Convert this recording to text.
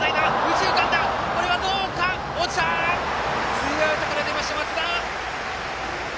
ツーアウトから出ました、松田！